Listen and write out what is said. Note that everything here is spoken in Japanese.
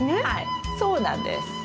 はいそうなんです。